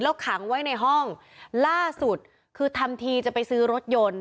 ขังไว้ในห้องล่าสุดคือทำทีจะไปซื้อรถยนต์